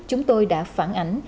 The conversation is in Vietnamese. chúng tôi đã phản ảnh